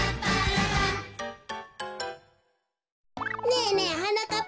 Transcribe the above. ねえねえはなかっ